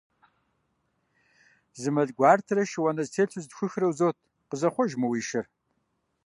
Зы мэл гуартэрэ шы уанэ зэтелъу зытхухрэ узот, къызэхъуэж мы уи шыр!